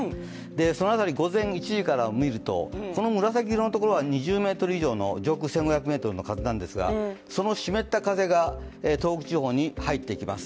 その辺り、午前１時から見るとこの紫色のところは上空１５００ｍの風なんですがその湿った風が東北地方に入ってきます。